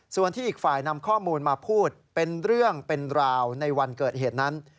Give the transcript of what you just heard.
ส่วนที่อีกฝ่ายนำข้อมูลมาพูดเป็นเรื่องเป็นราวในวันเกิดเหตุนั้น